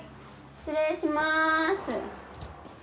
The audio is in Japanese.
失礼します！